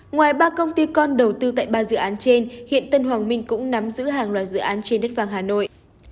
ngoài ba công ty con đầu tư tại ba dự án trên hiện tân hoàng minh cũng nắm giữ hàng loạt dự án trên đất vàng hà nội